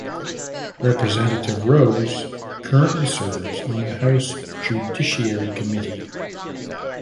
Representative Rose currently serves on the House Judiciary committee.